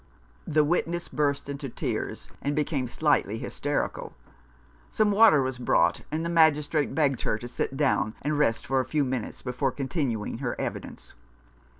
The witness burst into tears, and became slightly hysterical. Some water was brought, and the Magistrate begged her to sit down and rest for a few minutes before continuing her evidence.